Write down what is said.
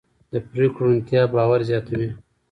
د پرېکړو روڼتیا باور زیاتوي